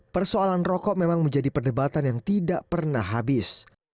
persoalan rokok memang menjadi perdebatan yang tidak pernah habis